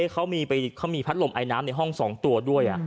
เขามีพัดลมไอน้ำในห้อง๒ตัวด้วย